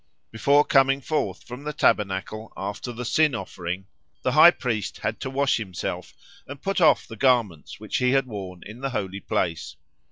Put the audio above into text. Before coming forth from the tabernacle after the sin offering, the high priest had to wash himself, and put off the garments which he had worn in the holy place.